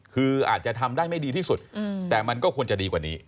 คืออาจจะทำได้ไม่ดีที่สุดแต่มันก็ควรจะดีกว่านี้